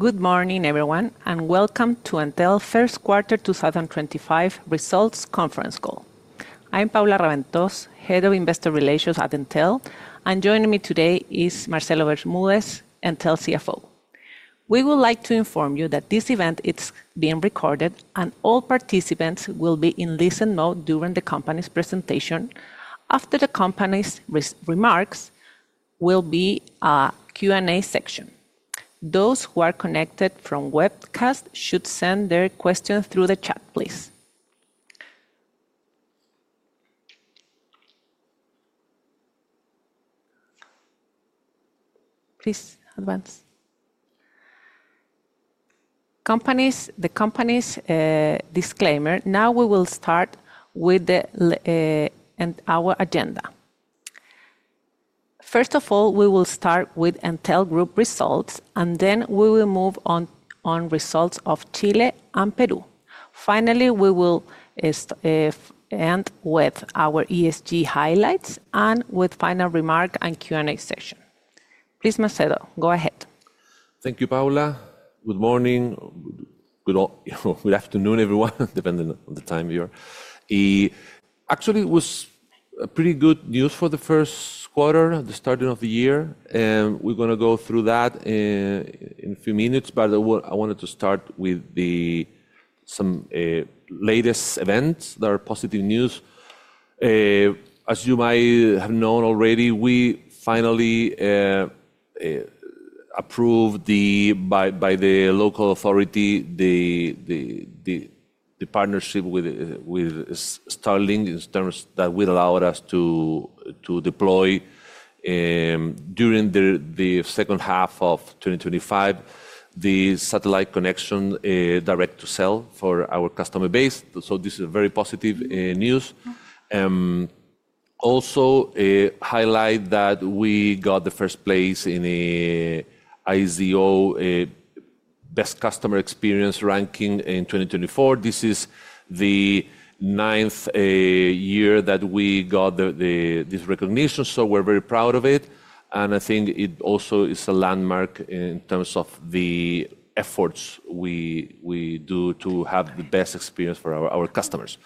Good morning, everyone, and welcome to Entel's First Quarter 2025 Results Conference Call. I'm Paula Raventós, Head of Investor Relations at Entel, and joining me today is Marcelo Bermúdez, Entel CFO. We would like to inform you that this event is being recorded, and all participants will be in listen mode during the company's presentation. After the company's remarks, there will be a Q&A section. Those who are connected from webcast should send their questions through the chat, please. Please advance. The company's disclaimer: now we will start with our agenda. First of all, we will start with Entel Group results, and then we will move on to results of Chile and Peru. Finally, we will end with our ESG highlights and with final remarks and Q&A session. Please, Marcelo, go ahead. Thank you, Paula. Good morning. Good afternoon, everyone, depending on the time of year. Actually, it was pretty good news for the first quarter, the start of the year. We're going to go through that in a few minutes, but I wanted to start with some latest events that are positive news. As you might have known already, we finally approved by the local authority the partnership with Starlink in terms that would allow us to deploy during the second half of 2025 the satellite connection direct-to-cell for our customer base. This is very positive news. Also, highlight that we got the first place in the ISO Best Customer Experience ranking in 2024. This is the ninth year that we got this recognition, so we're very proud of it. I think it also is a landmark in terms of the efforts we do to have the best experience for our customers.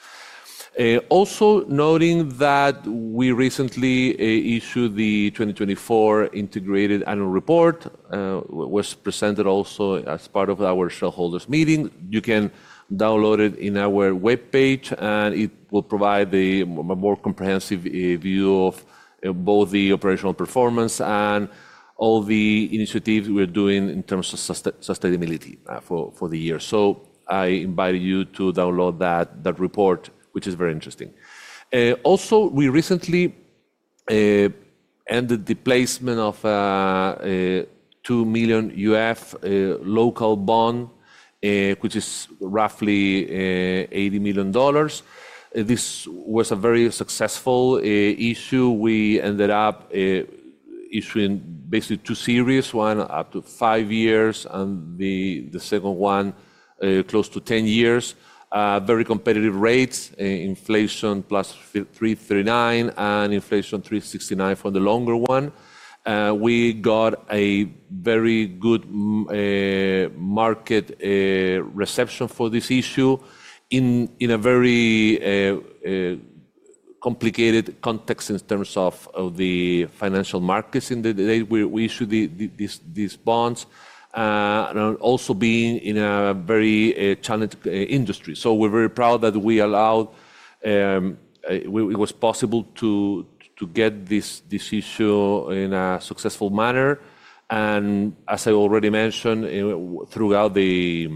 Also noting that we recently issued the 2024 Integrated Annual Report, which was presented also as part of our shareholders' meeting. You can download it on our web page, and it will provide a more comprehensive view of both the operational performance and all the initiatives we're doing in terms of sustainability for the year. I invite you to download that report, which is very interesting. Also, we recently ended the placement of a $2 million U.S. local bond, which is roughly $80 million. This was a very successful issue. We ended up issuing basically two series: one up to five years and the second one close to 10 years. Very competitive rates, inflation plus 3.39 and inflation 3.69 for the longer one. We got a very good market reception for this issue in a very complicated context in terms of the financial markets in the day we issued these bonds, and also being in a very challenged industry. We are very proud that it was possible to get this issue in a successful manner. As I already mentioned throughout the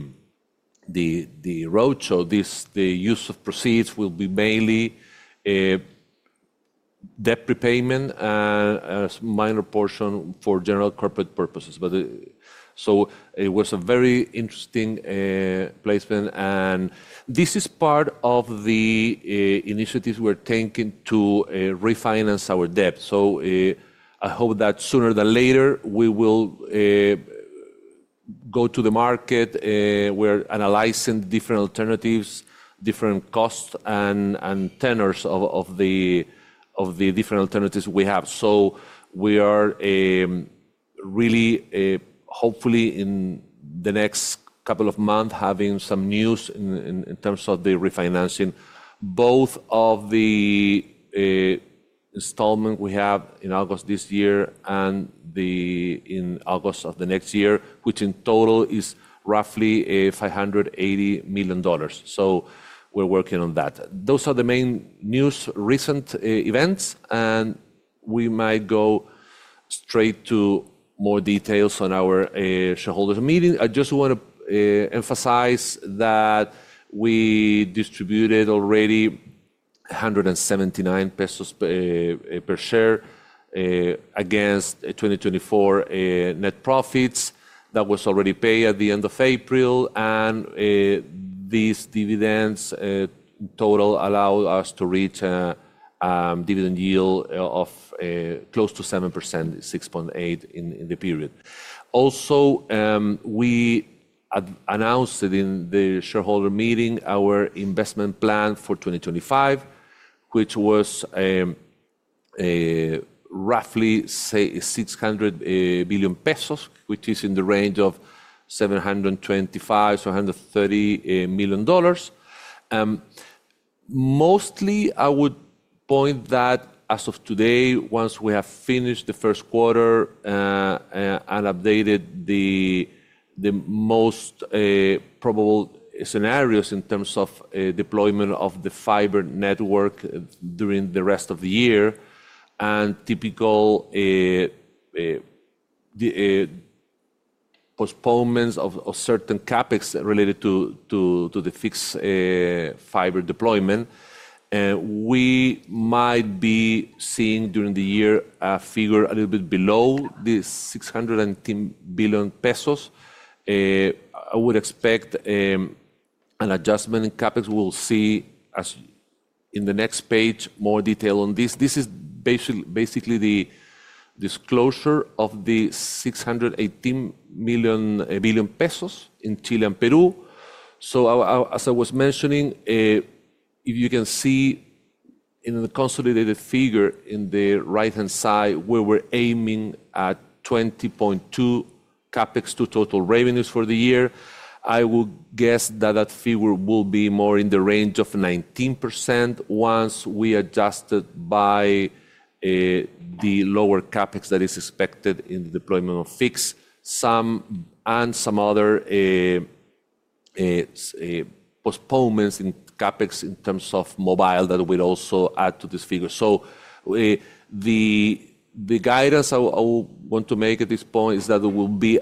roadshow, the use of proceeds will be mainly debt repayment and a minor portion for general corporate purposes. It was a very interesting placement. This is part of the initiatives we are taking to refinance our debt. I hope that sooner than later we will go to the market. We are analyzing different alternatives, different costs, and tenors of the different alternatives we have. We are really, hopefully, in the next couple of months having some news in terms of the refinancing, both of the installment we have in August this year and in August of the next year, which in total is roughly $580 million. We are working on that. Those are the main news recent events, and we might go straight to more details on our shareholders' meeting. I just want to emphasize that we distributed already 179 pesos per share against 2024 net profits. That was already paid at the end of April. These dividends in total allowed us to reach a dividend yield of close to 7%, 6.8% in the period. Also, we announced in the shareholder meeting our investment plan for 2025, which was roughly 600 billion pesos, which is in the range of $725-$730 million. Mostly, I would point that as of today, once we have finished the first quarter and updated the most probable scenarios in terms of deployment of the fiber network during the rest of the year and typical postponements of certain CapEx related to the fixed fiber deployment, we might be seeing during the year a figure a little bit below the 610 billion pesos. I would expect an adjustment in CapEx. We'll see in the next page more detail on this. This is basically the disclosure of the 618 billion pesos in Chile and Peru. As I was mentioning, if you can see in the consolidated figure in the right-hand side, we were aiming at 20.2% CapEx to total revenues for the year. I would guess that that figure will be more in the range of 19% once we adjusted by the lower CapEx that is expected in the deployment of fixed and some other postponements in CapEx in terms of mobile that we'd also add to this figure. The guidance I want to make at this point is that it will be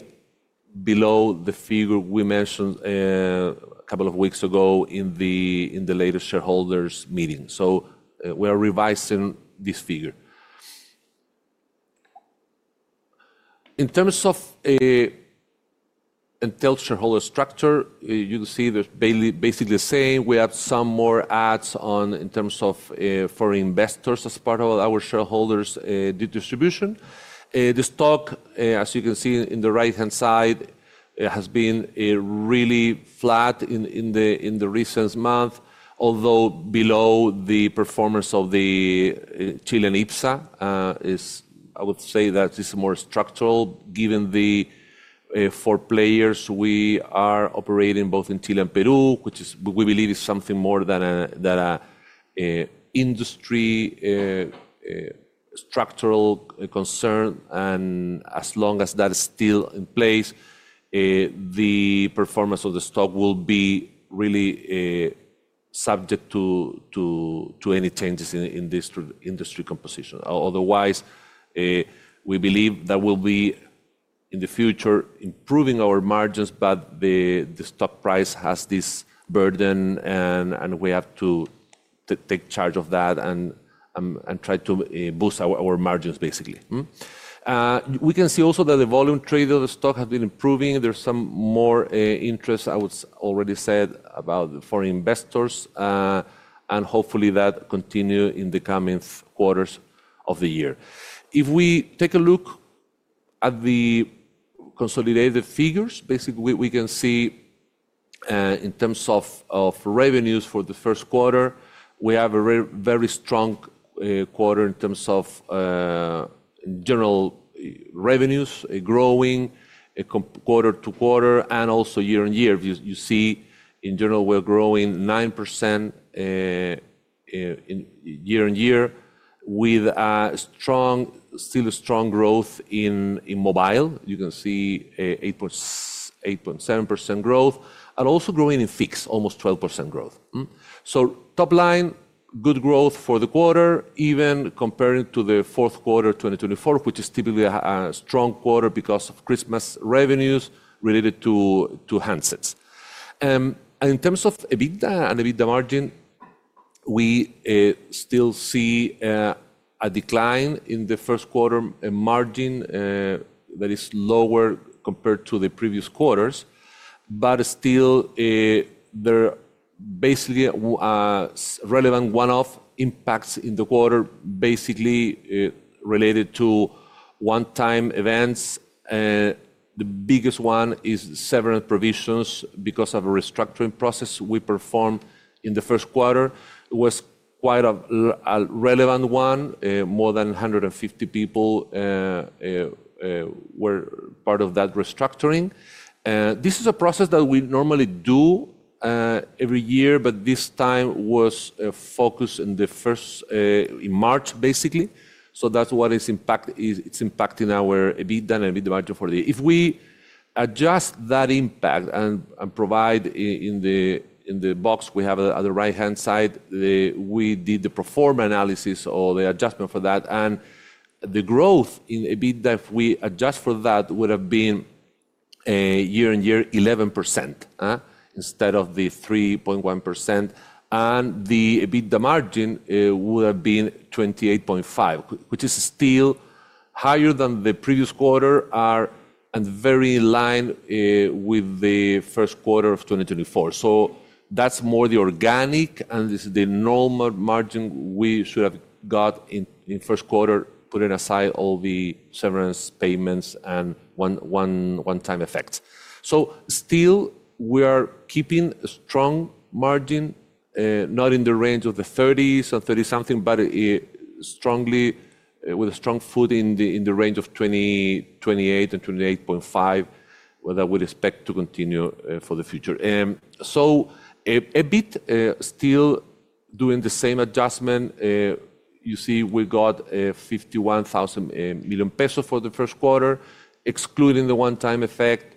below the figure we mentioned a couple of weeks ago in the latest shareholders' meeting. We are revising this figure. In terms of Entel's shareholder structure, you can see it's basically the same. We have some more adds in terms of foreign investors as part of our shareholders' distribution. The stock, as you can see on the right-hand side, has been really flat in the recent months, although below the performance of the Chilean IPSA. I would say that this is more structural given the four players we are operating both in Chile and Peru, which we believe is something more than an industry structural concern. As long as that is still in place, the performance of the stock will be really subject to any changes in the industry composition. Otherwise, we believe that we'll be in the future improving our margins, but the stock price has this burden, and we have to take charge of that and try to boost our margins, basically. We can see also that the volume trade of the stock has been improving. There's some more interest, I would already said, about foreign investors, and hopefully that continues in the coming quarters of the year. If we take a look at the consolidated figures, basically, we can see in terms of revenues for the first quarter, we have a very strong quarter in terms of general revenues growing quarter to quarter and also year on year. You see in general, we're growing 9% year on year with still strong growth in mobile. You can see 8.7% growth and also growing in fixed, almost 12% growth. Top line, good growth for the quarter, even comparing to the fourth quarter 2024, which is typically a strong quarter because of Christmas revenues related to handsets. In terms of EBITDA and EBITDA margin, we still see a decline in the first quarter margin that is lower compared to the previous quarters, but still there are basically relevant one-off impacts in the quarter, basically related to one-time events. The biggest one is severance provisions because of a restructuring process we performed in the first quarter. It was quite a relevant one. More than 150 people were part of that restructuring. This is a process that we normally do every year, but this time was focused in March, basically. That is what is impacting our EBITDA and EBITDA margin for the year. If we adjust that impact and provide in the box we have on the right-hand side, we did the performance analysis or the adjustment for that. The growth in EBITDA, if we adjust for that, would have been year on year 11% instead of the 3.1%. The EBITDA margin would have been 28.5%, which is still higher than the previous quarter and very in line with the first quarter of 2024. That's more the organic and the normal margin we should have got in the first quarter, putting aside all the severance payments and one-time effects. Still, we are keeping a strong margin, not in the range of the 30s or 30-something, but with a strong foot in the range of 20-28 and 28.5% that we'd expect to continue for the future. EBIT, still doing the same adjustment, you see we got 51,000 million pesos for the first quarter. Excluding the one-time effect,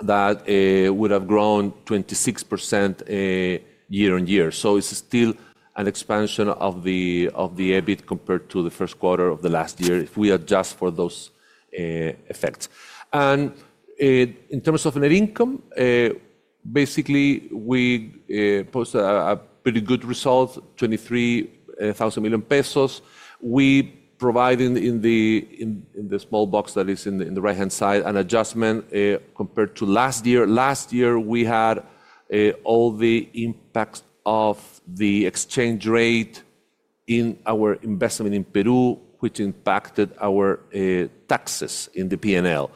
that would have grown 26% year on year. It's still an expansion of the EBIT compared to the first quarter of last year if we adjust for those effects. In terms of net income, basically, we posted a pretty good result, 23,000 million pesos. We provided in the small box that is in the right-hand side an adjustment compared to last year. Last year, we had all the impacts of the exchange rate in our investment in Peru, which impacted our taxes in the P&L.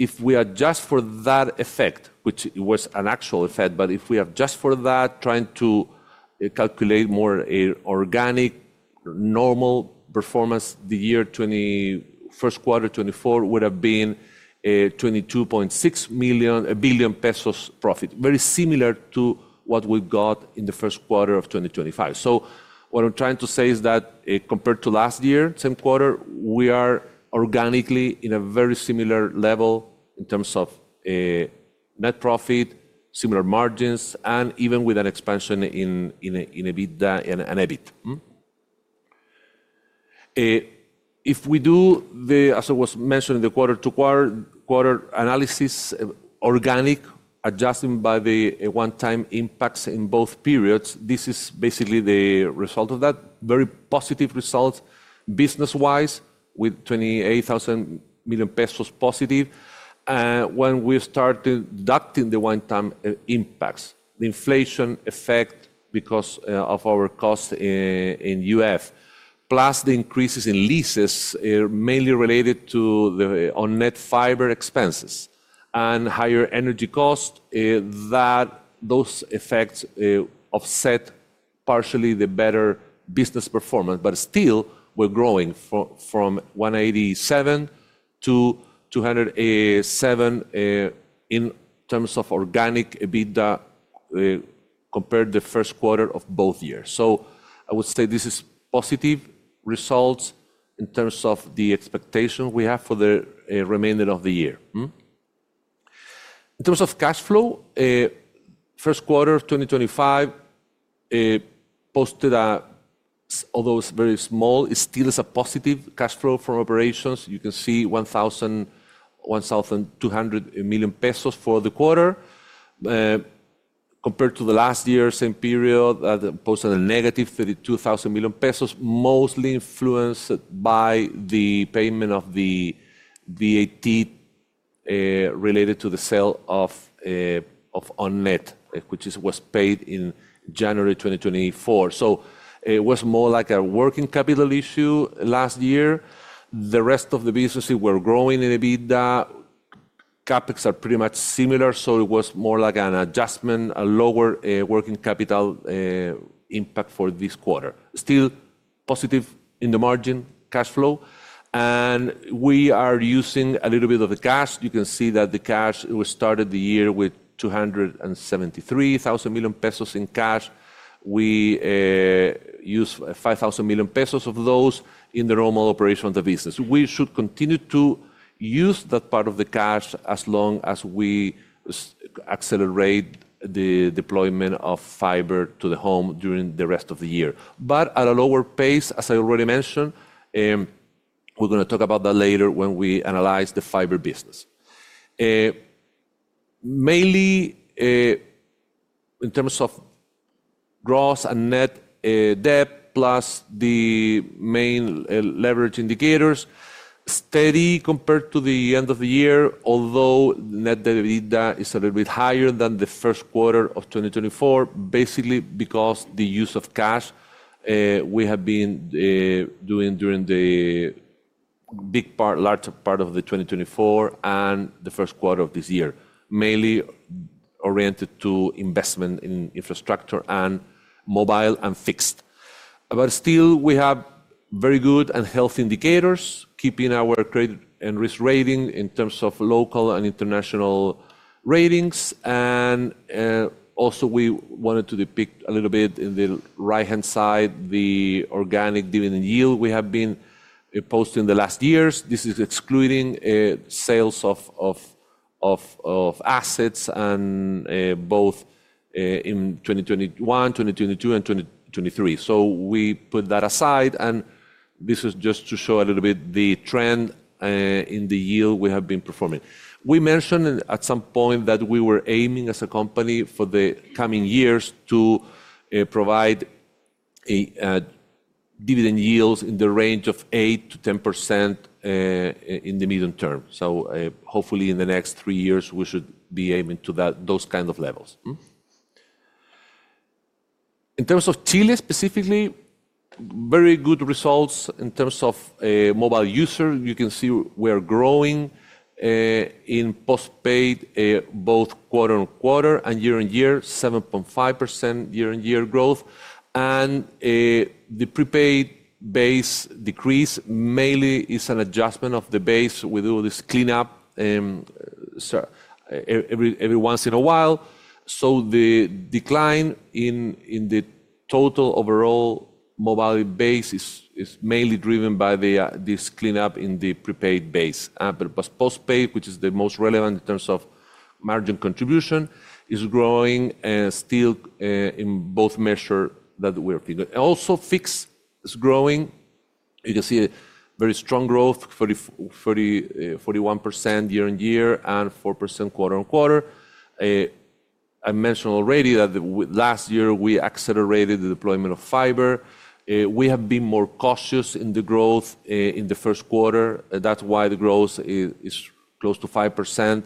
If we adjust for that effect, which was an actual effect, but if we adjust for that, trying to calculate more organic, normal performance, the first quarter 2024 would have been 22.6 billion pesos profit, very similar to what we got in the first quarter of 2025. What I'm trying to say is that compared to last year, same quarter, we are organically in a very similar level in terms of net profit, similar margins, and even with an expansion in EBITDA and EBIT. If we do the, as I was mentioning, the quarter-to-quarter analysis, organic adjustment by the one-time impacts in both periods, this is basically the result of that. Very positive result business-wise with 28,000 million pesos positive when we started deducting the one-time impacts, the inflation effect because of our costs in UF, plus the increases in leases mainly related to the net fiber expenses and higher energy costs. Those effects offset partially the better business performance, but still we're growing from 187 to 207 in terms of organic EBITDA compared to the first quarter of both years. I would say this is positive results in terms of the expectation we have for the remainder of the year. In terms of cash flow, first quarter 2025 posted, although it's very small, it still is a positive cash flow from operations. You can see 1,200 million pesos for the quarter compared to the last year, same period, posted a negative 32,000 million pesos, mostly influenced by the payment of the VAT related to the sale of Unnet, which was paid in January 2024. It was more like a working capital issue last year. The rest of the business, we're growing in EBITDA. CapEx are pretty much similar, so it was more like an adjustment, a lower working capital impact for this quarter. Still positive in the margin cash flow. We are using a little bit of the cash. You can see that the cash, we started the year with 273,000 million pesos in cash. We used 5,000 million pesos of those in the normal operation of the business. We should continue to use that part of the cash as long as we accelerate the deployment of fiber to the home during the rest of the year, but at a lower pace, as I already mentioned. We are going to talk about that later when we analyze the fiber business. Mainly in terms of gross and net debt, plus the main leverage indicators, steady compared to the end of the year, although net EBITDA is a little bit higher than the first quarter of 2024, basically because of the use of cash we have been doing during the large part of 2024 and the first quarter of this year, mainly oriented to investment in infrastructure and mobile and fixed. Still, we have very good and healthy indicators, keeping our credit and risk rating in terms of local and international ratings. We wanted to depict a little bit in the right-hand side the organic dividend yield we have been posting the last years. This is excluding sales of assets and both in 2021, 2022, and 2023. We put that aside. This is just to show a little bit the trend in the yield we have been performing. We mentioned at some point that we were aiming as a company for the coming years to provide dividend yields in the range of 8%-10% in the medium term. Hopefully, in the next three years, we should be aiming to those kinds of levels. In terms of Chile specifically, very good results in terms of mobile user. You can see we are growing in postpaid both quarter on quarter and year on year, 7.5% year on year growth. The prepaid base decrease mainly is an adjustment of the base. We do this cleanup every once in a while. The decline in the total overall mobile base is mainly driven by this cleanup in the prepaid base. Postpaid, which is the most relevant in terms of margin contribution, is growing still in both measures that we're thinking. Also, fixed is growing. You can see a very strong growth, 41% year on year and 4% quarter on quarter. I mentioned already that last year we accelerated the deployment of fiber. We have been more cautious in the growth in the first quarter. That's why the growth is close to 5%.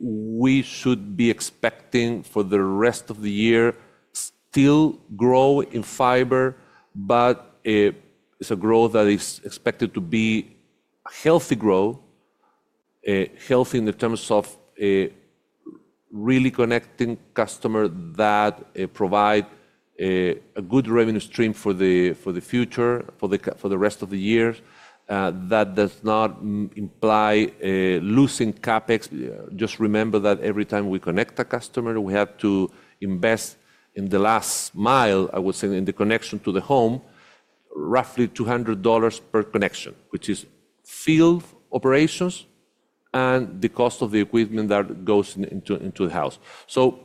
We should be expecting for the rest of the year still grow in fiber, but it's a growth that is expected to be a healthy growth, healthy in terms of really connecting customers that provide a good revenue stream for the future, for the rest of the years. That does not imply losing CapEx. Just remember that every time we connect a customer, we have to invest in the last mile, I would say, in the connection to the home, roughly $200 per connection, which is field operations and the cost of the equipment that goes into the house. So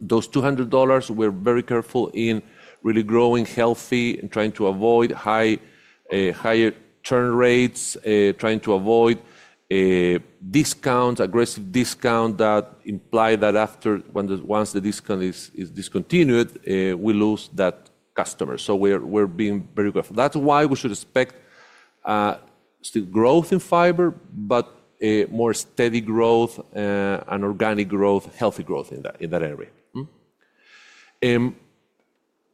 those $200, we're very careful in really growing healthy and trying to avoid higher churn rates, trying to avoid discounts, aggressive discounts that imply that once the discount is discontinued, we lose that customer. So we're being very careful. That's why we should expect still growth in fiber, but more steady growth and organic growth, healthy growth in that area.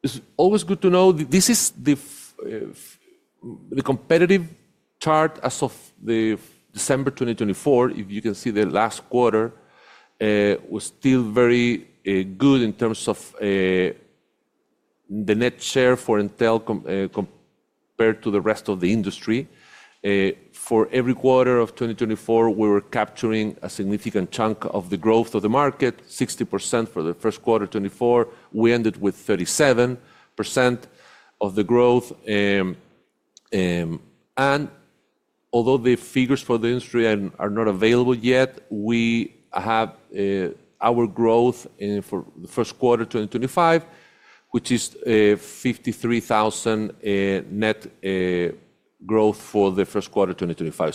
It's always good to know. This is the competitive chart as of December 2024. If you can see the last quarter, it was still very good in terms of the net share for Entel compared to the rest of the industry. For every quarter of 2024, we were capturing a significant chunk of the growth of the market, 60% for the first quarter 2024. We ended with 37% of the growth. Although the figures for the industry are not available yet, we have our growth for the first quarter 2025, which is 53,000 net growth for the first quarter 2025.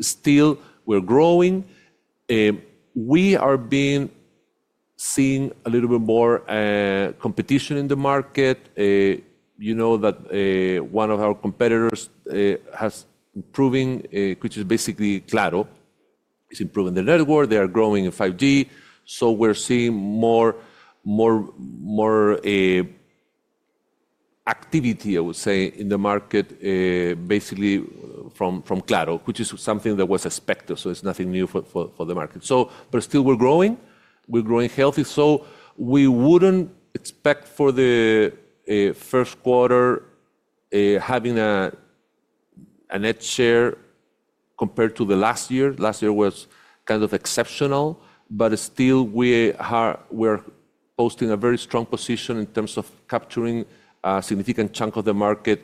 Still, we're growing. We are being seen a little bit more competition in the market. You know that one of our competitors is improving, which is basically Claro. It's improving the network. They are growing in 5G. We are seeing more activity, I would say, in the market basically from Claro, which is something that was expected. It is nothing new for the market. Still, we are growing. We are growing healthy. We would not expect for the first quarter to have a net share compared to last year. Last year was kind of exceptional, but still, we are posting a very strong position in terms of capturing a significant chunk of the market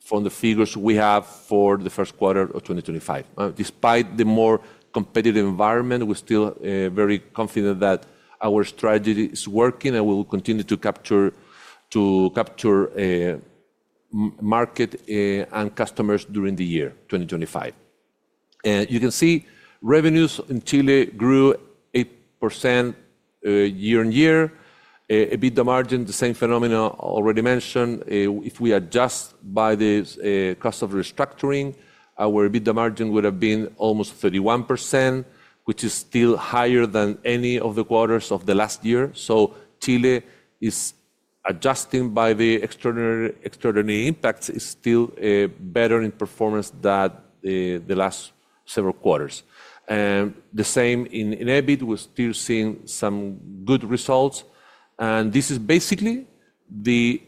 from the figures we have for the first quarter of 2025. Despite the more competitive environment, we are still very confident that our strategy is working and we will continue to capture market and customers during the year 2025. You can see revenues in Chile grew 8% year on year. EBITDA margin, the same phenomenon already mentioned. If we adjust by the cost of restructuring, our EBITDA margin would have been almost 31%, which is still higher than any of the quarters of the last year. Chile is adjusting by the extraordinary impacts. It is still better in performance than the last several quarters. The same in EBIT. We are still seeing some good results. This is basically the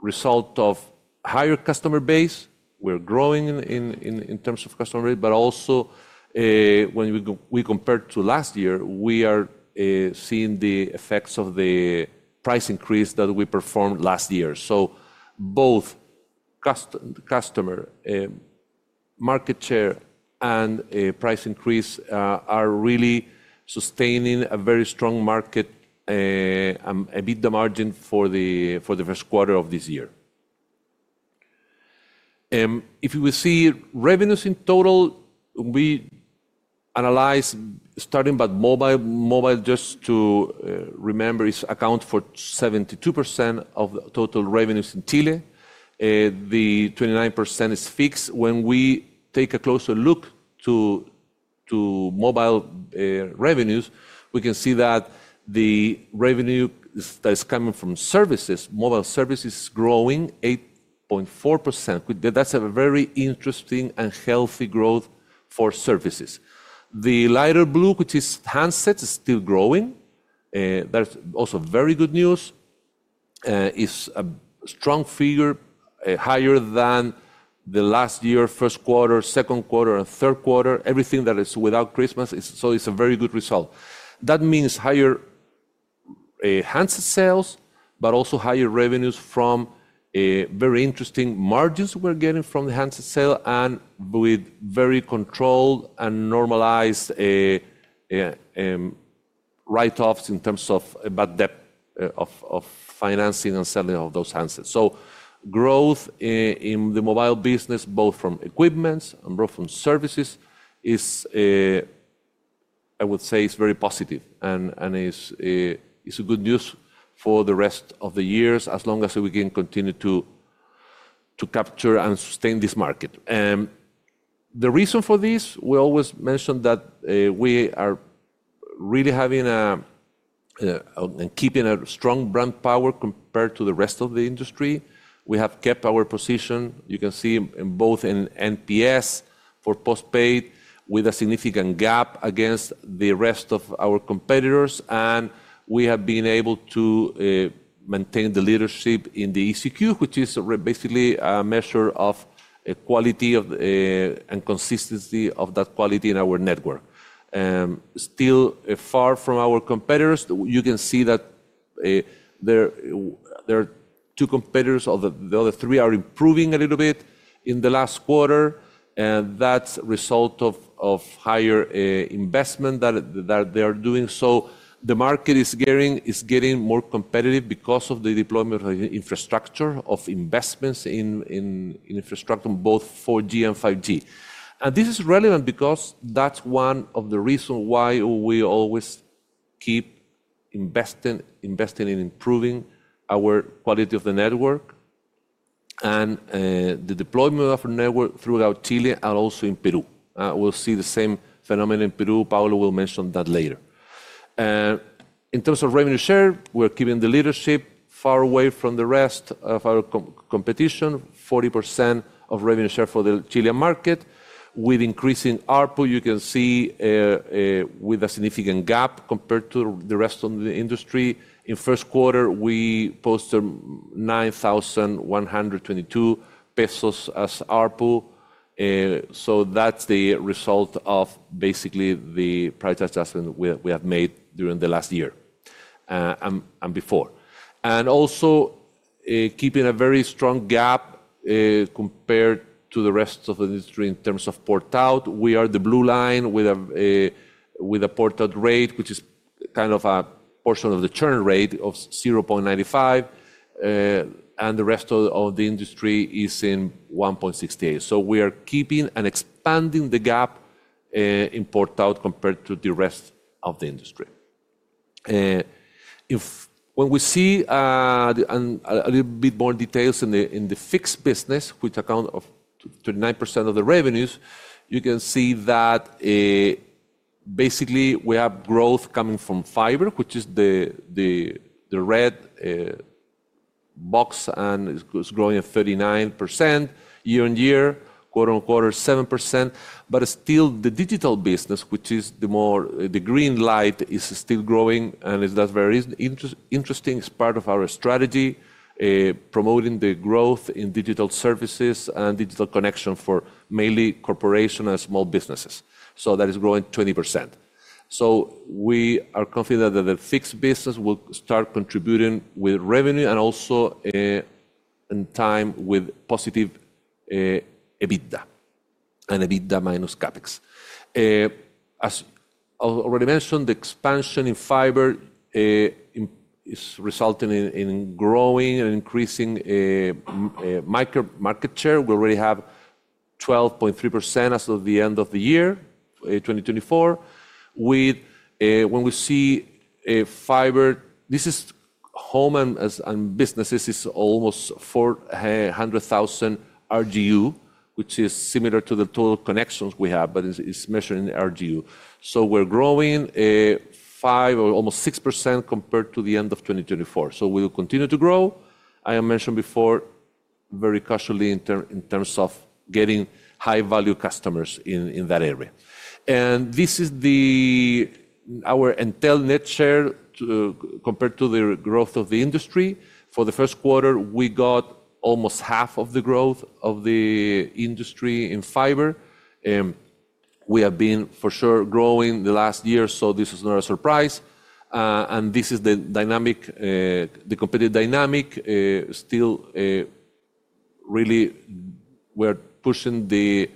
result of higher customer base. We are growing in terms of customer base, but also when we compare to last year, we are seeing the effects of the price increase that we performed last year. Both customer market share and price increase are really sustaining a very strong market and EBITDA margin for the first quarter of this year. If we see revenues in total, we analyze starting by mobile. Mobile, just to remember, accounts for 72% of total revenues in Chile. The 29% is fixed. When we take a closer look to mobile revenues, we can see that the revenue that is coming from services, mobile services, is growing 8.4%. That's a very interesting and healthy growth for services. The lighter blue, which is handsets, is still growing. That's also very good news. It's a strong figure, higher than the last year, first quarter, second quarter, and third quarter. Everything that is without Christmas, so it's a very good result. That means higher handset sales, but also higher revenues from very interesting margins we're getting from the handset sale and with very controlled and normalized write-offs in terms of debt of financing and selling of those handsets. Growth in the mobile business, both from equipment and both from services, I would say is very positive and is good news for the rest of the years as long as we can continue to capture and sustain this market. The reason for this, we always mentioned that we are really having and keeping a strong brand power compared to the rest of the industry. We have kept our position. You can see both in NPS for postpaid with a significant gap against the rest of our competitors. We have been able to maintain the leadership in the ECQ, which is basically a measure of quality and consistency of that quality in our network. Still far from our competitors. You can see that two competitors of the other three are improving a little bit in the last quarter. That is a result of higher investment that they are doing. The market is getting more competitive because of the deployment of infrastructure, of investments in infrastructure on both 4G and 5G. This is relevant because that is one of the reasons why we always keep investing in improving our quality of the network and the deployment of our network throughout Chile and also in Peru. We will see the same phenomenon in Peru. Paula will mention that later. In terms of revenue share, we are keeping the leadership far away from the rest of our competition, 40% of revenue share for the Chilean market. With increasing output, you can see with a significant gap compared to the rest of the industry. In first quarter, we posted 9,122 pesos as output. That is the result of basically the prior adjustment we have made during the last year and before. Also keeping a very strong gap compared to the rest of the industry in terms of port out. We are the blue line with a port out rate, which is kind of a portion of the churn rate, of 0.95. The rest of the industry is at 1.68. We are keeping and expanding the gap in port out compared to the rest of the industry. When we see a little bit more details in the fixed business, which accounts for 39% of the revenues, you can see that basically we have growth coming from fiber, which is the red box, and it is growing at 39% year on year, quarter on quarter, 7%. Still, the digital business, which is the green light, is still growing. That is very interesting. It's part of our strategy, promoting the growth in digital services and digital connection for mainly corporations and small businesses. That is growing 20%. We are confident that the fixed business will start contributing with revenue and also in time with positive EBITDA and EBITDA minus CapEx. As already mentioned, the expansion in fiber is resulting in growing and increasing market share. We already have 12.3% as of the end of the year 2024. When we see fiber, this is home and businesses, it's almost 400,000 RGU, which is similar to the total connections we have, but it's measuring RGU. We are growing 5% or almost 6% compared to the end of 2024. We will continue to grow. I mentioned before, very cautiously in terms of getting high-value customers in that area. This is our Entel net share compared to the growth of the industry. For the first quarter, we got almost half of the growth of the industry in fiber. We have been, for sure, growing the last year, so this is not a surprise. This is the competitive dynamic. Still, really, we're pushing the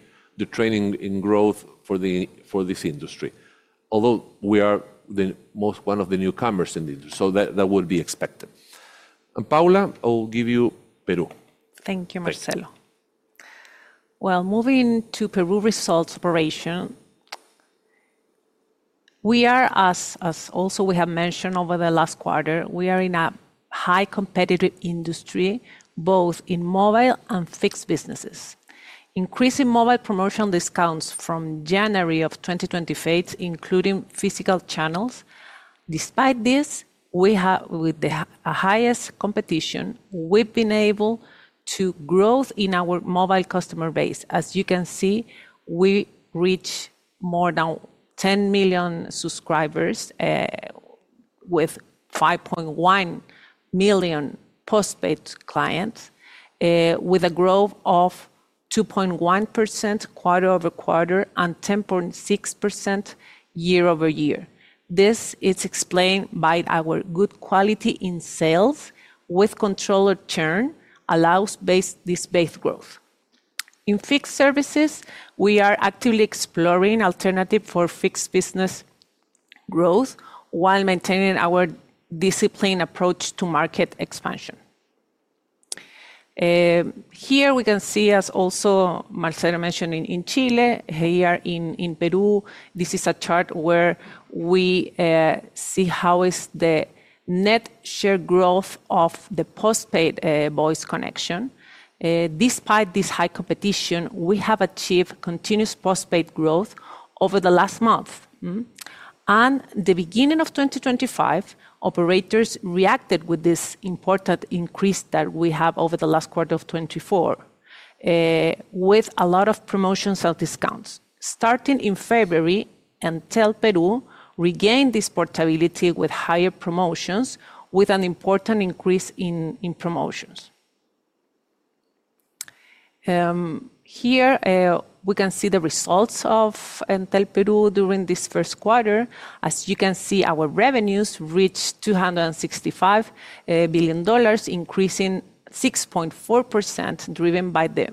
training in growth for this industry, although we are one of the newcomers in the industry. That would be expected. Paula, I'll give you Peru. Thank you, Marcelo. Moving to Peru results operation, we are, as also we have mentioned over the last quarter, we are in a high competitive industry, both in mobile and fixed businesses. Increasing mobile promotional discounts from January of 2025, including physical channels. Despite this, with the highest competition, we've been able to grow in our mobile customer base. As you can see, we reach more than 10 million subscribers with 5.1 million postpaid clients, with a growth of 2.1% quarter over quarter and 10.6% year over year. This is explained by our good quality in sales with controlled churn allows this base growth. In fixed services, we are actively exploring alternatives for fixed business growth while maintaining our disciplined approach to market expansion. Here we can see, as also Marcelo mentioned, in Chile, here in Peru, this is a chart where we see how is the net share growth of the postpaid voice connection. Despite this high competition, we have achieved continuous postpaid growth over the last month. At the beginning of 2025, operators reacted with this important increase that we have over the last quarter of 2024, with a lot of promotions and discounts. Starting in February, Entel Peru regained this portability with higher promotions, with an important increase in promotions. Here we can see the results of Entel Peru during this first quarter. As you can see, our revenues reached $265 million, increasing 6.4%, driven by the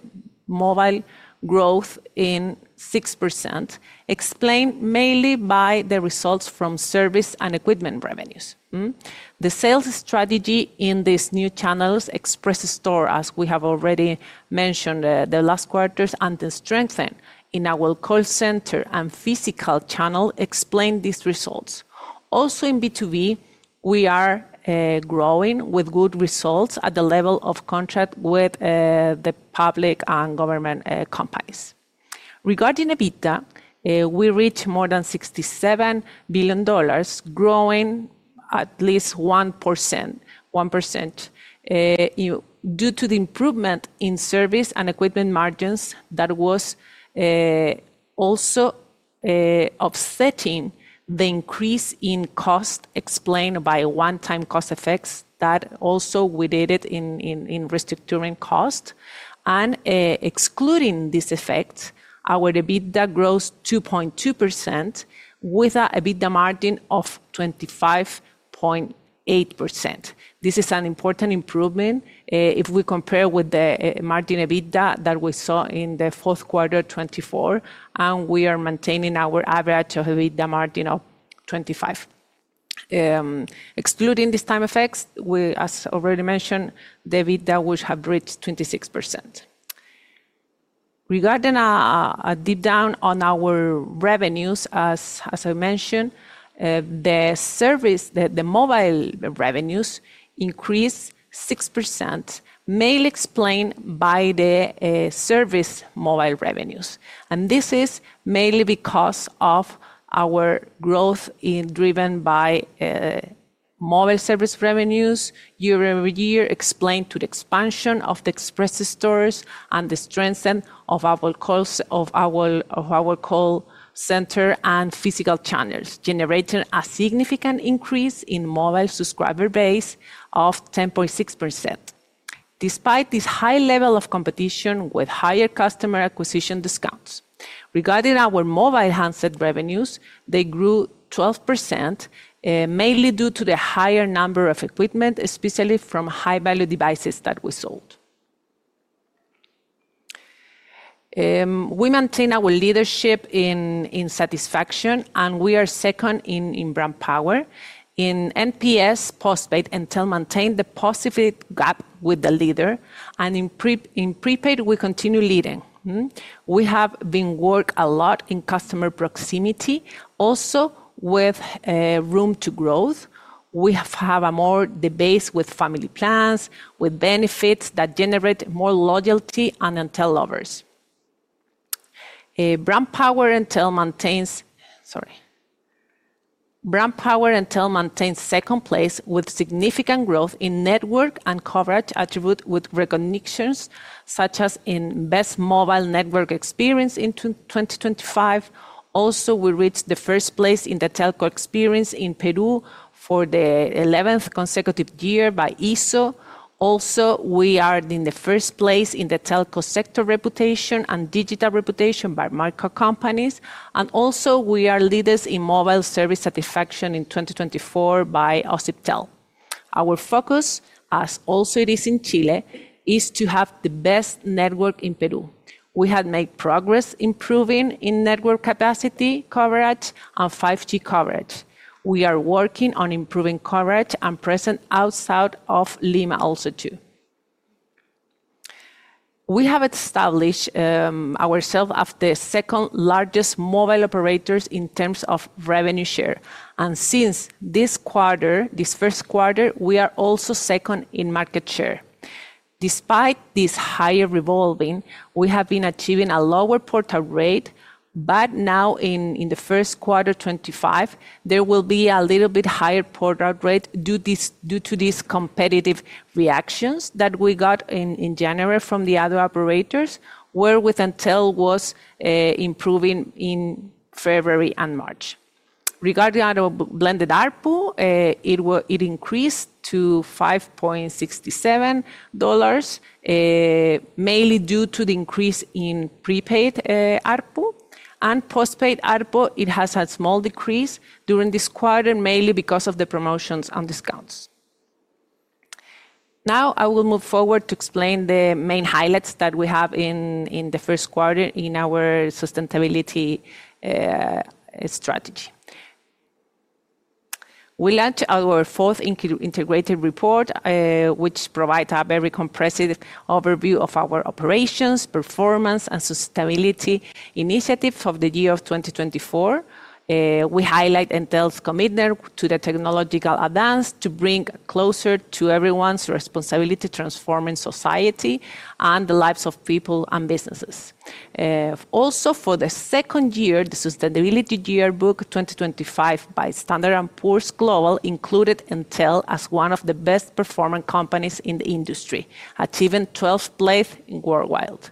mobile growth in 6%, explained mainly by the results from service and equipment revenues. The sales strategy in these new channels express store, as we have already mentioned the last quarters, and the strengthening in our call center and physical channel explained these results. Also in B2B, we are growing with good results at the level of contract with the public and government companies. Regarding EBITDA, we reached more than $67 million, growing at least 1% due to the improvement in service and equipment margins that was also offsetting the increase in cost explained by one-time cost effects that also we did in restructuring cost. Excluding this effect, our EBITDA grows 2.2% with an EBITDA margin of 25.8%. This is an important improvement if we compare with the margin EBITDA that we saw in the fourth quarter of 2024, and we are maintaining our average EBITDA margin of 25%. Excluding these time effects, as already mentioned, the EBITDA would have reached 26%. Regarding a deep down on our revenues, as I mentioned, the service, the mobile revenues increased 6%, mainly explained by the service mobile revenues. This is mainly because of our growth driven by mobile service revenues year over year explained to the expansion of the express stores and the strengthening of our call center and physical channels, generating a significant increase in mobile subscriber base of 10.6%. Despite this high level of competition with higher customer acquisition discounts, regarding our mobile handset revenues, they grew 12%, mainly due to the higher number of equipment, especially from high-value devices that we sold. We maintain our leadership in satisfaction, and we are second in brand power. In NPS, postpaid, Entel maintained the positive gap with the leader, and in prepaid, we continue leading. We have been working a lot in customer proximity, also with room to grow. We have a more debate with family plans, with benefits that generate more loyalty and Entel lovers. Brand power, Entel maintains, sorry. Brand power, Entel maintains second place with significant growth in network and coverage attribute with recognitions such as in best mobile network experience in 2025. Also, we reached the first place in the telco experience in Peru for the 11th consecutive year by ISO. Also, we are in the first place in the telco sector reputation and digital reputation by market companies. We are leaders in mobile service satisfaction in 2024 by OSIPTEL. Our focus, as also it is in Chile, is to have the best network in Peru. We have made progress improving in network capacity coverage and 5G coverage. We are working on improving coverage and presence outside of Lima also too. We have established ourselves as the second largest mobile operators in terms of revenue share. Since this quarter, this first quarter, we are also second in market share. Despite this higher revolving, we have been achieving a lower port out rate. Now in the first quarter 2025, there will be a little bit higher port out rate due to these competitive reactions that we got in January from the other operators, where with Entel was improving in February and March. Regarding our blended output, it increased to $5.67, mainly due to the increase in prepaid output. Postpaid output, it has a small decrease during this quarter, mainly because of the promotions and discounts. Now I will move forward to explain the main highlights that we have in the first quarter in our sustainability strategy. We launched our fourth integrated report, which provides a very comprehensive overview of our operations, performance, and sustainability initiatives of the year 2024. We highlight Entel's commitment to the technological advance to bring closer to everyone's responsibility to transforming society and the lives of people and businesses. Also, for the second year, the Sustainability Yearbook 2025 by Standard and Poor's Global included Entel as one of the best performing companies in the industry, achieving 12th place worldwide.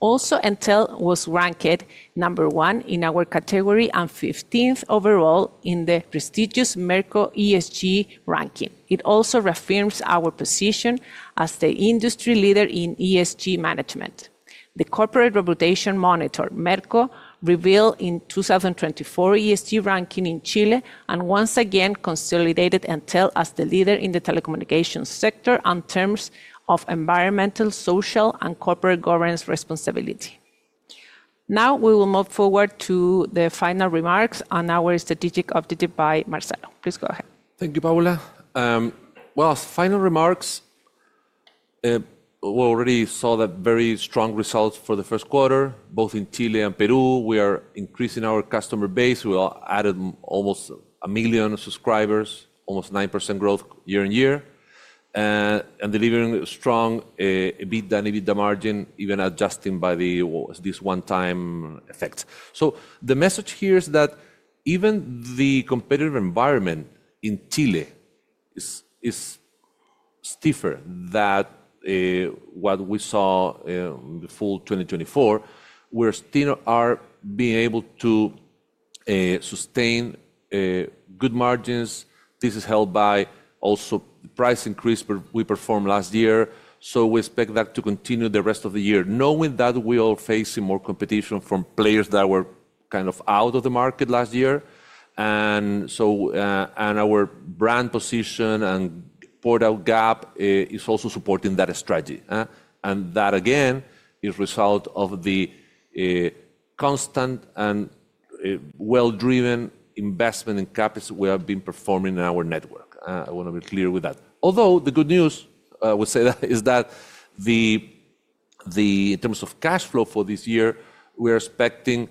Also, Entel was ranked number one in our category and 15th overall in the prestigious Merco ESG ranking. It also reaffirms our position as the industry leader in ESG management. The corporate reputation monitor, Merco, revealed in 2024 ESG ranking in Chile and once again consolidated Entel as the leader in the telecommunications sector in terms of environmental, social, and corporate governance responsibility. Now we will move forward to the final remarks and our strategic update by Marcelo. Please go ahead. Thank you, Paula. Final remarks. We already saw the very strong results for the first quarter, both in Chile and Peru. We are increasing our customer base. We added almost 1 million subscribers, almost 9% growth year on year, and delivering strong EBITDA and EBITDA margin, even adjusting by this one-time effect. The message here is that even the competitive environment in Chile is stiffer than what we saw in the full 2024. We are still being able to sustain good margins. This is held by also the price increase we performed last year. We expect that to continue the rest of the year, knowing that we are facing more competition from players that were kind of out of the market last year. Our brand position and port out gap is also supporting that strategy. That, again, is a result of the constant and well-driven investment in CapEx we have been performing in our network. I want to be clear with that. Although the good news, I would say, is that in terms of cash flow for this year, we are expecting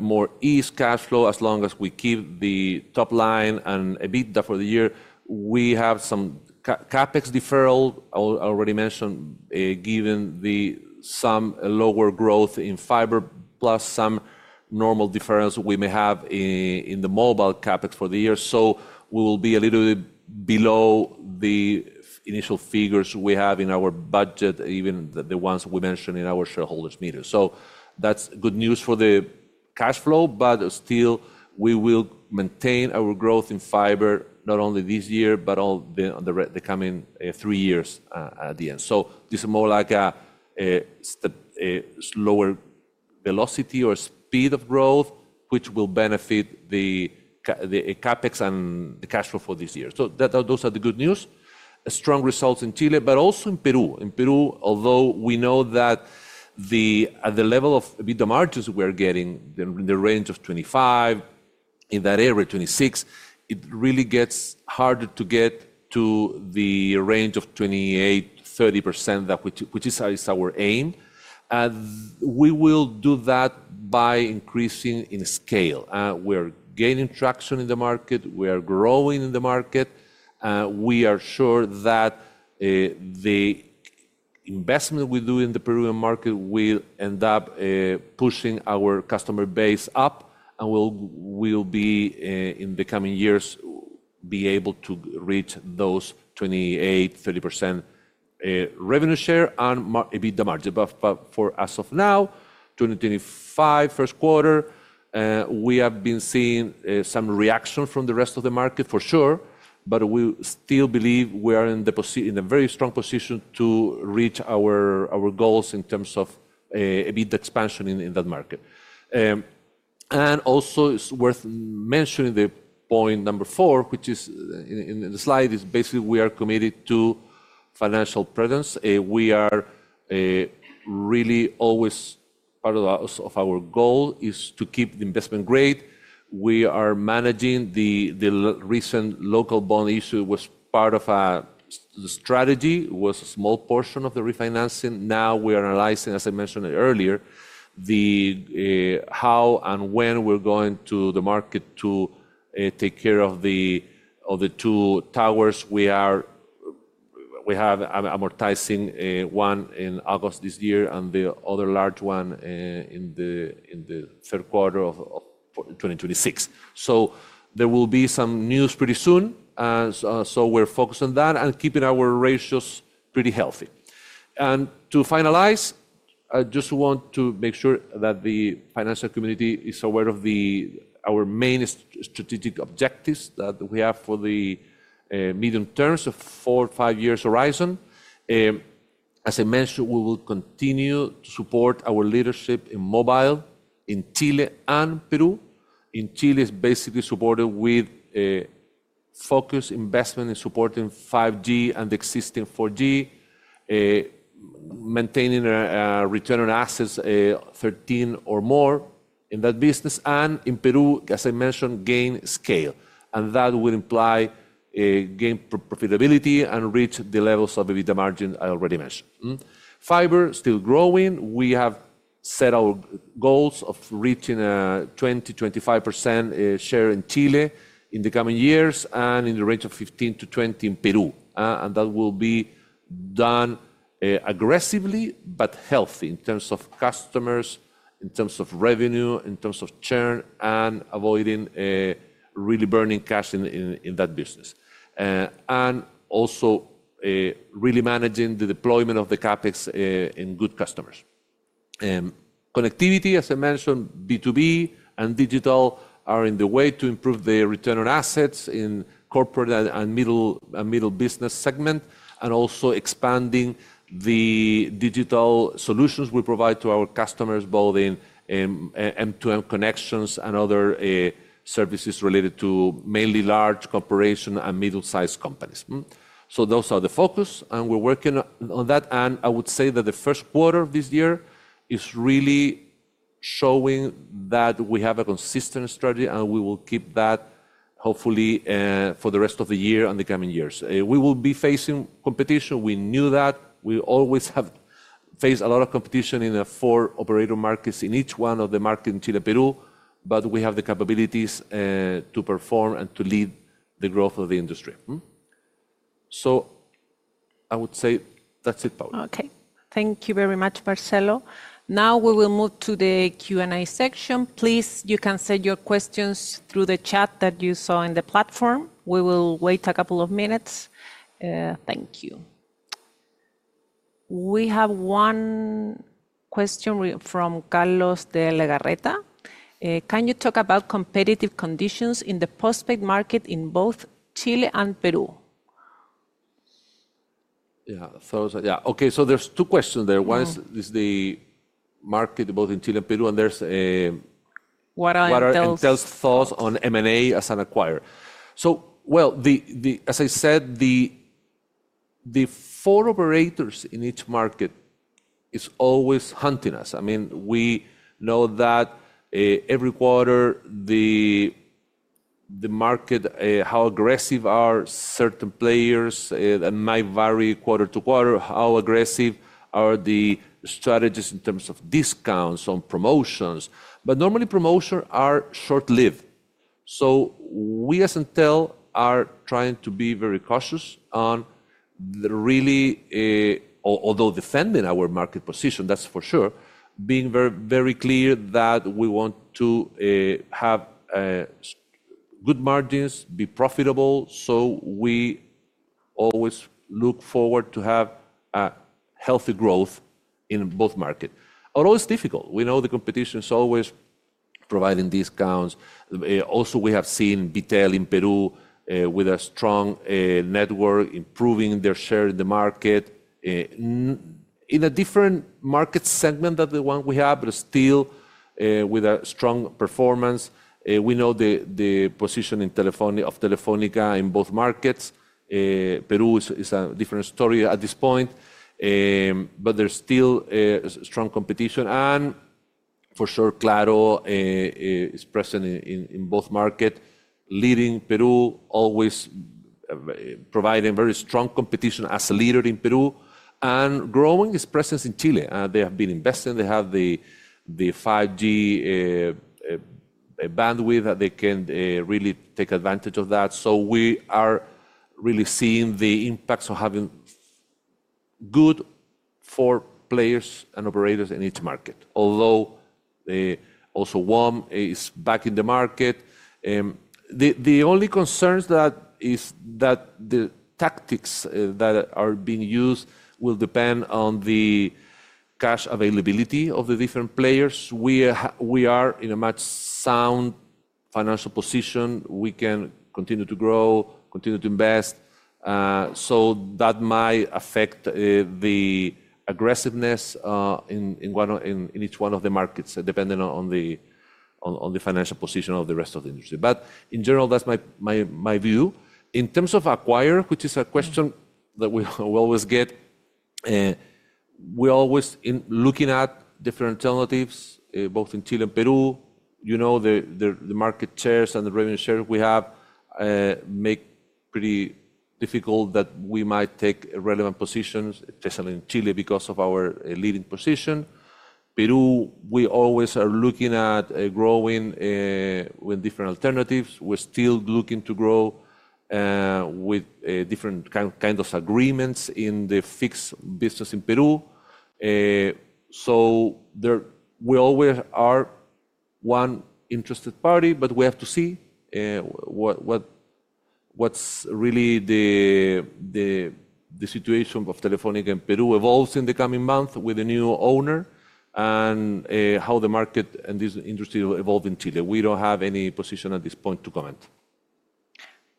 more ease cash flow as long as we keep the top line and EBITDA for the year. We have some CapEx deferral, I already mentioned, given the some lower growth in fiber plus some normal deferrals we may have in the mobile CapEx for the year. We will be a little bit below the initial figures we have in our budget, even the ones we mentioned in our shareholders' meetings. That is good news for the cash flow, but still we will maintain our growth in fiber not only this year, but all the coming three years at the end. This is more like a slower velocity or speed of growth, which will benefit the CapEx and the cash flow for this year. Those are the good news. Strong results in Chile, but also in Peru. In Peru, although we know that the level of EBITDA margins we are getting in the range of 25%, in that area, 26%, it really gets harder to get to the range of 28%-30%, which is our aim. We will do that by increasing in scale. We are gaining traction in the market. We are growing in the market. We are sure that the investment we do in the Peruvian market will end up pushing our customer base up and will, in the coming years, be able to reach those 28%-30% revenue share and EBITDA margin. For as of now, 2025, first quarter, we have been seeing some reaction from the rest of the market, for sure, but we still believe we are in a very strong position to reach our goals in terms of EBITDA expansion in that market. Also, it is worth mentioning the point number four, which is in the slide, is basically we are committed to financial presence. We are really always part of our goal is to keep the investment grade. We are managing the recent local bond issue. It was part of a strategy. It was a small portion of the refinancing. Now we are analyzing, as I mentioned earlier, how and when we are going to the market to take care of the two towers. We are amortizing one in August this year and the other large one in the third quarter of 2026. There will be some news pretty soon. We're focused on that and keeping our ratios pretty healthy. To finalize, I just want to make sure that the financial community is aware of our main strategic objectives that we have for the medium terms of four, five years horizon. As I mentioned, we will continue to support our leadership in mobile in Chile and Peru. In Chile, it's basically supported with focused investment in supporting 5G and existing 4G, maintaining a return on assets of 13 or more in that business. In Peru, as I mentioned, gain scale. That would imply gain profitability and reach the levels of EBITDA margin I already mentioned. Fiber, still growing. We have set our goals of reaching a 20-25% share in Chile in the coming years and in the range of 15-20% in Peru. That will be done aggressively but healthy in terms of customers, in terms of revenue, in terms of churn, and avoiding really burning cash in that business. Also really managing the deployment of the CapEx in good customers. Connectivity, as I mentioned, B2B and digital are in the way to improve the return on assets in corporate and middle business segment, and also expanding the digital solutions we provide to our customers, both in end-to-end connections and other services related to mainly large corporations and middle-sized companies. Those are the focus, and we're working on that. I would say that the first quarter of this year is really showing that we have a consistent strategy, and we will keep that hopefully for the rest of the year and the coming years. We will be facing competition. We knew that. We always have faced a lot of competition in the four operator markets in each one of the markets in Chile, Peru, but we have the capabilities to perform and to lead the growth of the industry. I would say that's it, Paula. Okay. Thank you very much, Marcelo. Now we will move to the Q&A section. Please, you can send your questions through the chat that you saw in the platform. We will wait a couple of minutes. Thank you. We have one question from Carlos de Legarreta. Can you talk about competitive conditions in the postpaid market in both Chile and Peru? Yeah, those are, yeah. Okay, so there's two questions there. One is the market both in Chile and Peru, and there's what are Entel's thoughts on M&A as an acquirer? As I said, the four operators in each market are always hunting us. I mean, we know that every quarter, the market, how aggressive are certain players, that might vary quarter to quarter, how aggressive are the strategies in terms of discounts on promotions. Normally, promotions are short-lived. We as Entel are trying to be very cautious on really, although defending our market position, that's for sure, being very clear that we want to have good margins, be profitable. We always look forward to have healthy growth in both markets. Although it's difficult, we know the competition is always providing discounts. Also, we have seen Bitel in Peru with a strong network, improving their share in the market in a different market segment than the one we have, but still with a strong performance. We know the position of Telefónica in both markets. Peru is a different story at this point, but there's still strong competition. Claro is present in both markets, leading Peru, always providing very strong competition as a leader in Peru and growing its presence in Chile. They have been investing. They have the 5G bandwidth that they can really take advantage of. We are really seeing the impacts of having good four players and operators in each market, although also WOM is back in the market. The only concern is that the tactics that are being used will depend on the cash availability of the different players. We are in a much sound financial position. We can continue to grow, continue to invest. That might affect the aggressiveness in each one of the markets, depending on the financial position of the rest of the industry. In general, that's my view. In terms of acquirer, which is a question that we always get, we're always looking at different alternatives, both in Chile and Peru. The market shares and the revenue shares we have make it pretty difficult that we might take relevant positions, especially in Chile because of our leading position. Peru, we always are looking at growing with different alternatives. We're still looking to grow with different kinds of agreements in the fixed business in Peru. So we always are one interested party, but we have to see what's really the situation of Telefónica in Peru evolves in the coming months with a new owner and how the market and this industry evolves in Chile. We don't have any position at this point to comment.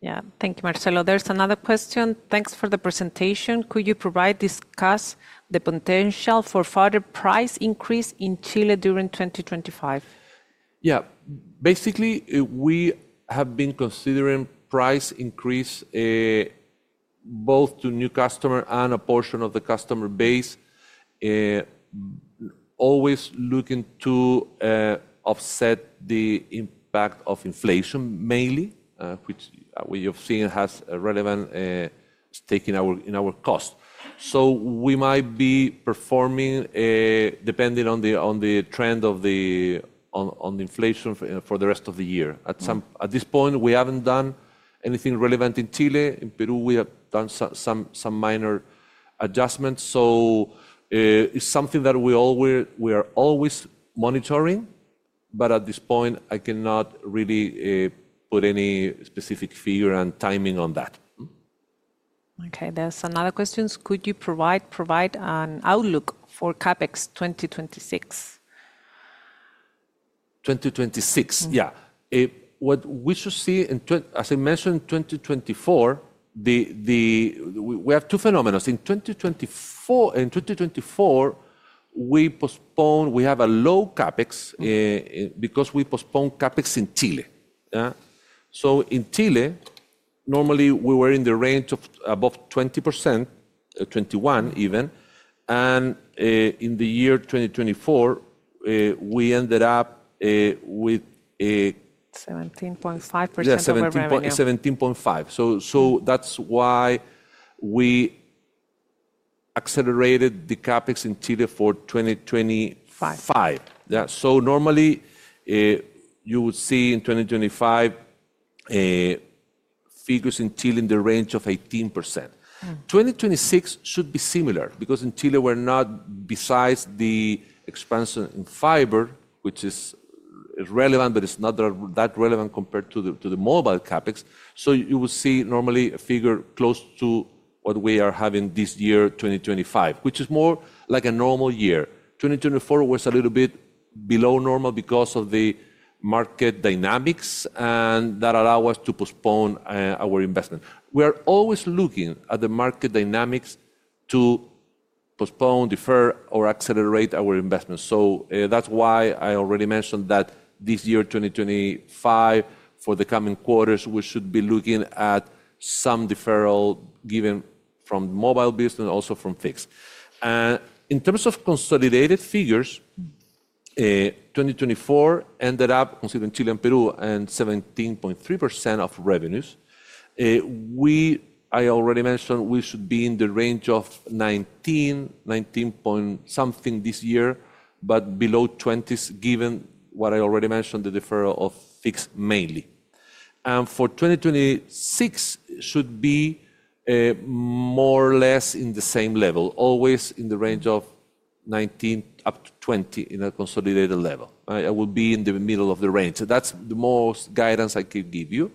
Yeah. Thank you, Marcelo. There's another question. Thanks for the presentation. Could you provide discuss the potential for further price increase in Chile during 2025? Yeah. Basically, we have been considering price increase both to new customers and a portion of the customer base, always looking to offset the impact of inflation mainly, which we have seen has relevant stake in our cost. We might be performing depending on the trend of the inflation for the rest of the year. At this point, we have not done anything relevant in Chile. In Peru, we have done some minor adjustments. It is something that we are always monitoring, but at this point, I cannot really put any specific figure and timing on that. Okay. There is another question. Could you provide an outlook for CapEx 2026? 2026, yeah. What we should see, as I mentioned, 2024, we have two phenomena. In 2024, we postponed, we have a low CapEx because we postponed CapEx in Chile. In Chile, normally, we were in the range of above 20%, 21% even. In the year 2024, we ended up with 17.5% over 17.5%. That is why we accelerated the CapEx in Chile for 2025. Normally, you would see in 2025 figures in Chile in the range of 18%. 2026 should be similar because in Chile, we are not, besides the expansion in fiber, which is relevant, but it is not that relevant compared to the mobile CapEx. You would see normally a figure close to what we are having this year, 2025, which is more like a normal year. 2024 was a little bit below normal because of the market dynamics, and that allowed us to postpone our investment. We are always looking at the market dynamics to postpone, defer, or accelerate our investment. That's why I already mentioned that this year, 2025, for the coming quarters, we should be looking at some deferral given from mobile business, also from fixed. In terms of consolidated figures, 2024 ended up considering Chile and Peru and 17.3% of revenues. I already mentioned we should be in the range of 19, 19 point something this year, but below 20% given what I already mentioned, the deferral of fixed mainly. For 2026, should be more or less in the same level, always in the range of 19-20% in a consolidated level. I will be in the middle of the range. That's the most guidance I could give you.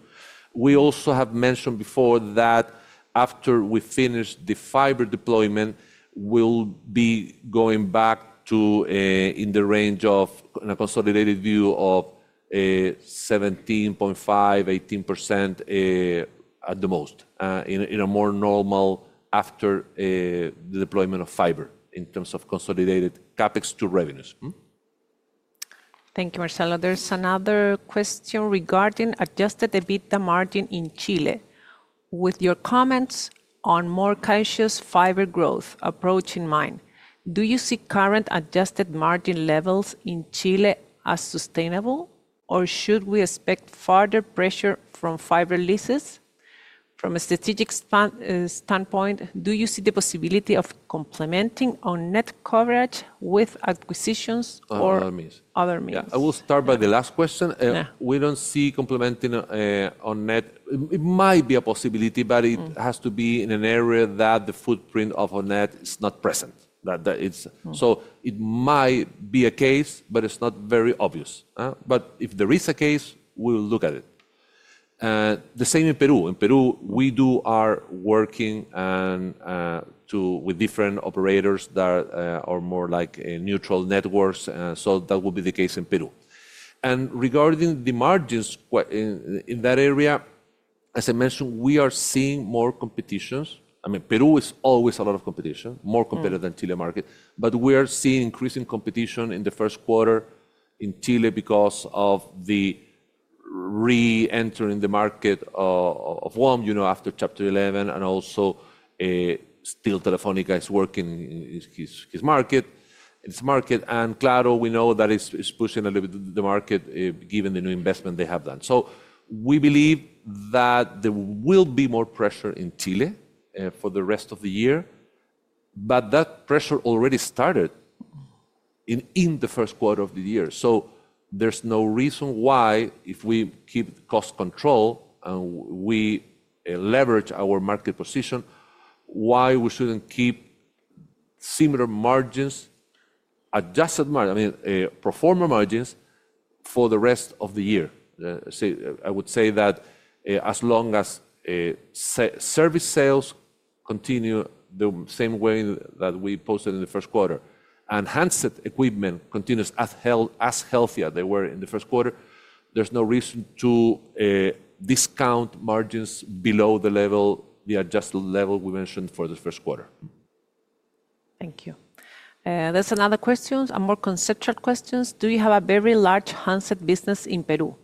We also have mentioned before that after we finish the fiber deployment, we'll be going back to in the range of a consolidated view of 17.5%-18% at the most in a more normal after the deployment of fiber in terms of consolidated CapEx to revenues. Thank you, Marcelo. There's another question regarding adjusted EBITDA margin in Chile. With your comments on more cautious fiber growth approach in mind, do you see current adjusted margin levels in Chile as sustainable, or should we expect further pressure from fiber leases? From a strategic standpoint, do you see the possibility of complementing on net coverage with acquisitions or other means? I will start by the last question. We don't see complementing on net. It might be a possibility, but it has to be in an area that the footprint of on net is not present. It might be a case, but it's not very obvious. If there is a case, we'll look at it. The same in Peru. In Peru, we are working with different operators that are more like neutral networks. That would be the case in Peru. Regarding the margins in that area, as I mentioned, we are seeing more competition. I mean, Peru is always a lot of competition, more competitive than the Chile market, but we are seeing increasing competition in the first quarter in Chile because of the re-entering the market of WOM after Chapter 11. Also, still, Telefónica is working his market. Claro, we know, is pushing a little bit the market given the new investment they have done. We believe that there will be more pressure in Chile for the rest of the year, but that pressure already started in the first quarter of the year. There is no reason why if we keep cost control and we leverage our market position, why we should not keep similar margins, adjusted margins, I mean, performer margins for the rest of the year. I would say that as long as service sales continue the same way that we posted in the first quarter and handset equipment continues as healthy as they were in the first quarter, there is no reason to discount margins below the level, the adjusted level we mentioned for the first quarter. Thank you. There is another question, a more conceptual question. Do you have a very large handset business in Peru?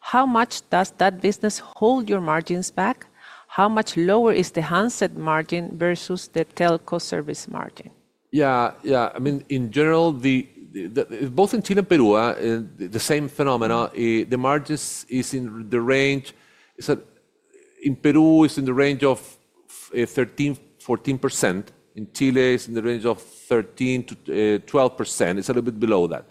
How much does that business hold your margins back? How much lower is the handset margin versus the telco service margin? Yeah, yeah. I mean, in general, both in Chile and Peru, the same phenomena. The margin is in the range in Peru, it's in the range of 13%-14%. In Chile, it's in the range of 13%-12%. It's a little bit below that.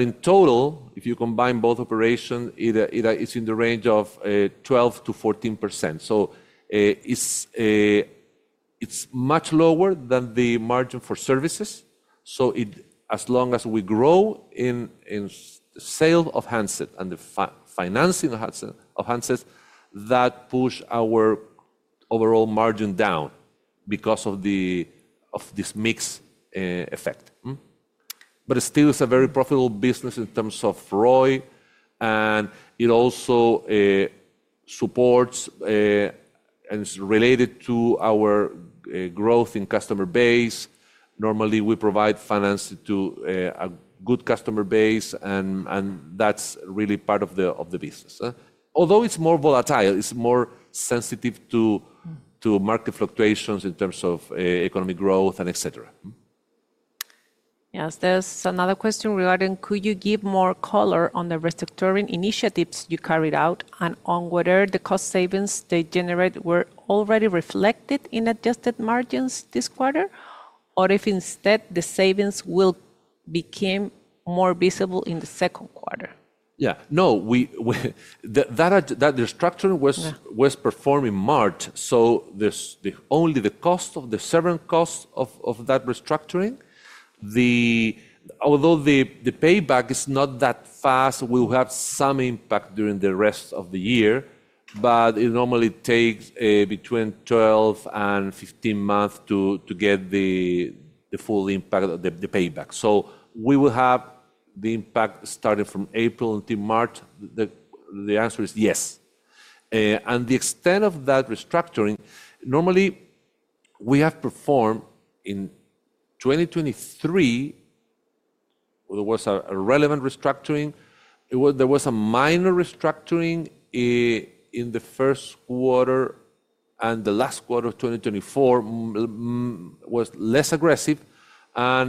In total, if you combine both operations, it is in the range of 12%-14%. It is much lower than the margin for services. As long as we grow in sale of handset and the financing of handsets, that pushes our overall margin down because of this mixed effect. It still is a very profitable business in terms of ROI. It also supports and is related to our growth in customer base. Normally, we provide financing to a good customer base, and that's really part of the business. Although it's more volatile, it's more sensitive to market fluctuations in terms of economic growth and etc. Yes. There's another question regarding could you give more color on the restructuring initiatives you carried out and on whether the cost savings they generate were already reflected in adjusted margins this quarter, or if instead the savings will become more visible in the second quarter? Yeah. No, the restructuring was performed in March. So only the cost of the seven costs of that restructuring, although the payback is not that fast, we will have some impact during the rest of the year, but it normally takes between 12 and 15 months to get the full impact of the payback. We will have the impact starting from April until March. The answer is yes. The extent of that restructuring, normally we have performed in 2023, there was a relevant restructuring. There was a minor restructuring in the first quarter, and the last quarter of 2024 was less aggressive. In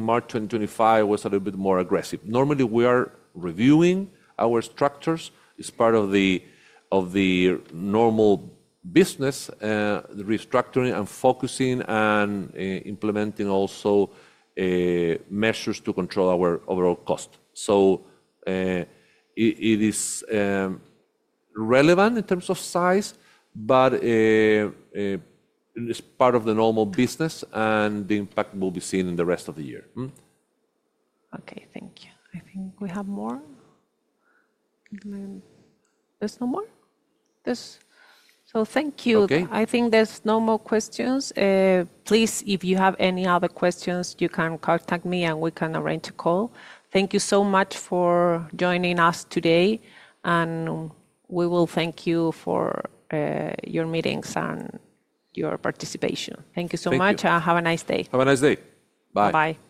March 2025, it was a little bit more aggressive. Normally, we are reviewing our structures. It's part of the normal business, the restructuring and focusing and implementing also measures to control our overall cost. It is relevant in terms of size, but it's part of the normal business, and the impact will be seen in the rest of the year. Okay. Thank you. I think we have more. There's no more? Thank you. I think there's no more questions. Please, if you have any other questions, you can contact me and we can arrange a call. Thank you so much for joining us today. We will thank you for your meetings and your participation. Thank you so much. Have a nice day. Have a nice day. Bye. Bye.